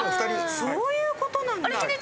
そういうことなんだ。